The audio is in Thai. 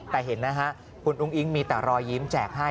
แต่เห็นนะฮะคุณอุ้งอิ๊งมีแต่รอยยิ้มแจกให้